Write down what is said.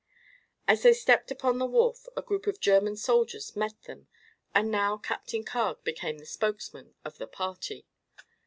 As they stepped upon the wharf a group of German soldiers met them and now Captain Carg became the spokesman of the party.